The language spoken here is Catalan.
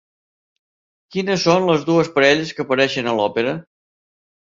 Quines són les dues parelles que apareixen a l'òpera?